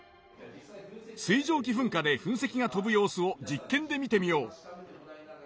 水蒸気噴火で噴石が飛ぶ様子を実験で見てみよう。